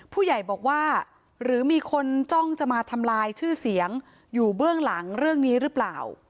ผู้ใหญ่บอกว่าหรือมีคนจ้องจะมาทำลายชื่อเสียงอยู่เบื้องหลังเรื่องนี้หรือเปล่า